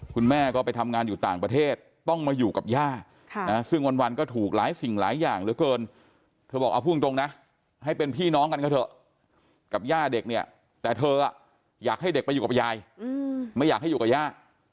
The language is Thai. คุณแม่ก็ไปทำงานอยู่ต่างประเทศต้องมาอยู่กับย่าซึ่งวันก็ถูกหลายสิ่งหลายอย่างเหลือเกินเธอบอกเอาพูดตรงนะให้เป็นพี่น้องกันก็เถอะกับย่าเด็กเนี่ยแต่เธออยากให้เด็กไปอยู่กับยายไม่อยากให้อยู่กับย่า